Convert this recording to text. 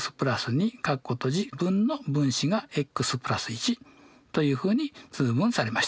従ってというふうに通分されました。